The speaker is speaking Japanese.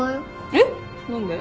えっ何で？